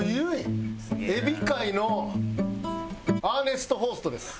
海老界のアーネスト・ホーストです！